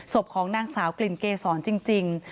ของนางสาวกลิ่นเกษรจริง